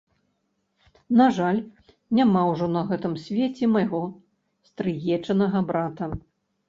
На жаль, няма ўжо на гэтым свеце майго стрыечнага брата.